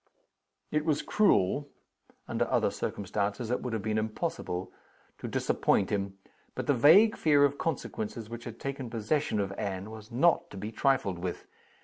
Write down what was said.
It was cruel under other circumstances it would have been impossible to disappoint him. But the vague fear of consequences which had taken possession of Anne was not to be trifled with.